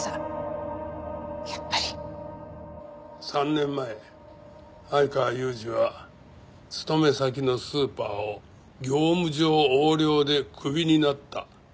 ３年前相川裕治は勤め先のスーパーを業務上横領でクビになった。